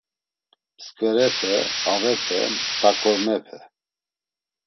Msǩverepe, avepe, mt̆akormepe.